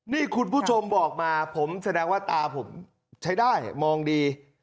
นี่คุณผู้ชมบอกมาผมแสดงว่าตาผมใช้ได้มองดี